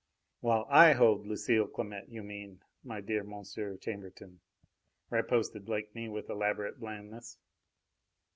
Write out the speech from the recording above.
"While I hold Lucile Clamette, you mean, my dear Monsieur Chambertin," riposted Blakeney with elaborate blandness.